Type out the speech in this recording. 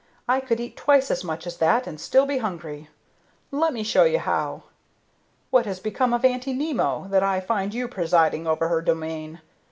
I could eat twice as much as that and still be hungry. Let me show you how. What has become of Aunty Nimmo, that I find you presiding over her domain?